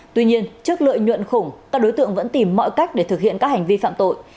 tuy nhiên trước lợi nhuận khủng các đối tượng vẫn tìm mọi cách để thực hiện các hành vi phạm tội